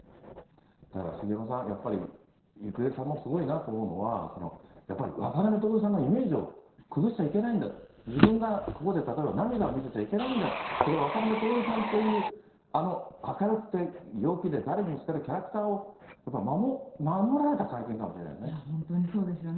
だから杉山さん、やっぱり郁恵さんもすごいなと思うのは、やっぱり渡辺徹さんのイメージを崩しちゃいけないんだ、自分がここで例えば、涙を見せちゃいけないんだ、それは渡辺徹さんという、あの明るくて陽気で誰にも好かれるキャラクターをやっぱり守られいや、本当にそうですよね。